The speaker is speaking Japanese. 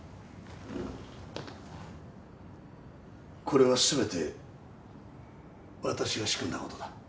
これは全て私が仕組んだことだ。